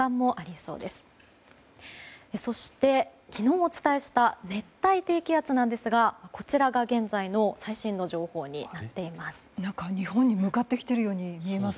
そして、昨日お伝えした熱帯低気圧なんですがこちらが現在の最新の情報になっています。